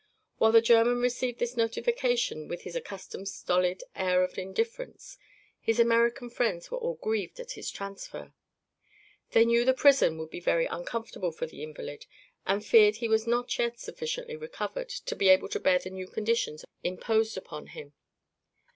While the German received this notification with his accustomed stolid air of indifference, his American friends were all grieved at his transfer. They knew the prison would be very uncomfortable for the invalid and feared he was not yet sufficiently recovered to be able to bear the new conditions imposed upon him.